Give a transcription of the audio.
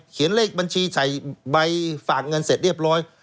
เลขบัญชีใส่ใบฝากเงินเสร็จเรียบร้อย